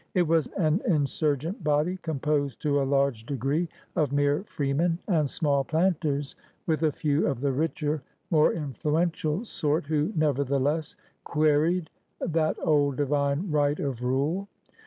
It was an insurgent body, composed to a large d^ree of mere freemen and small planters, with a few of the richer, more influential sort who nevertheless queried that old divine right of rule.